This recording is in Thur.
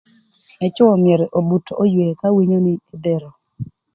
Ëcwö myero obut oywe ka winyo nï edhero.